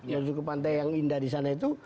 yang masuk ke pantai yang indah di sana itu